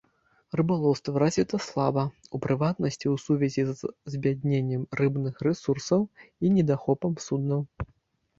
Рыбалоўства развіта слаба, у прыватнасці ў сувязі з збядненнем рыбных рэсурсаў і недахопам суднаў.